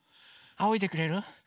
あおいでくれる？